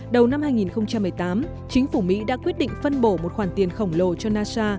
đầu năm hai nghìn một mươi tám chính phủ mỹ đã quyết định phân bổ một khoản tiền khổng lồ cho nasa